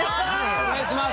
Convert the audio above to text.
お願いします！